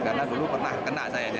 karena dulu pernah kena saya